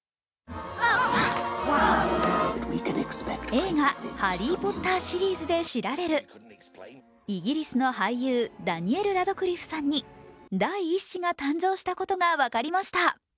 映画「ハリー・ポッター」シリーズで知られるイギリスの俳優、ダニエル・ラドクリフさんに第１子が誕生したことが分かりました。